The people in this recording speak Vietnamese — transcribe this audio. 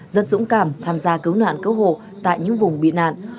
rất dũng cảm tham gia cứu nạn cứu hộ tại những vùng bị nạn